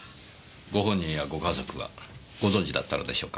ご本人やご家族はご存じだったのでしょうか？